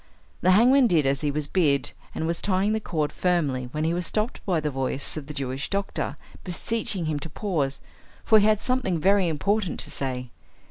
The hangman did as he was bid, and was tying the cord firmly, when he was stopped by the voice of the Jewish doctor beseeching him to pause, for he had something very important to say.